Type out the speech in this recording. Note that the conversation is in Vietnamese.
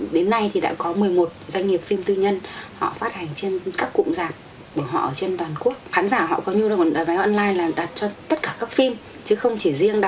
đến nay thì đã có một mươi một doanh nghiệp phim tư nhân